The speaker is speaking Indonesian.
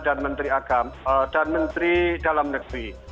dan menteri agam dan menteri dalam negeri